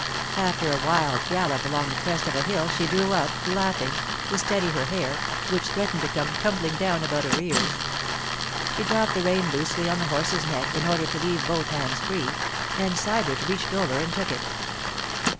After a wild gallop along the crest of a hill she drew up, laughing, to steady her hair, which threatened to come tumbling down about her ears. She dropped the rein loosely on the horse's neck in order to leave both hands free, and Sybert reached over and took it.